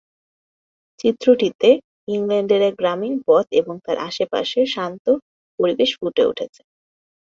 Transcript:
চিত্রটিতে ইংল্যান্ডের এক গ্রামীণ পথ ও তার আশেপাশের শান্ত পরিবেশ ফুটে উঠেছে।